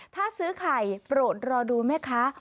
ถ้าซื้อไข่โปรดรอดูแม่ค้า